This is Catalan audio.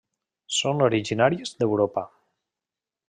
Són originàries d'Europa.